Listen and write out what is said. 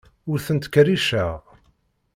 Ur ten-ttkerriceɣ.